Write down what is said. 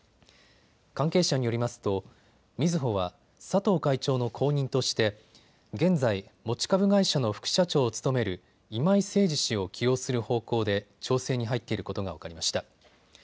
関係者によりますと、みずほは佐藤会長の後任として現在、持ち株会社の副社長を務める今井誠司氏を起用する方向で調整に入っていることが分かりました。